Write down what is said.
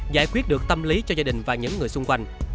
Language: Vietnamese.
giải quyết được tâm lý cho gia đình và những người xung quanh